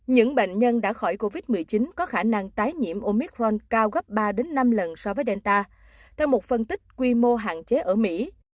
những bệnh nhân đã khỏi covid một mươi chín có khả năng tái nhiễm omicron cao gấp ba năm lần so với delta theo một phân tích quy mô hạn chế ở mỹ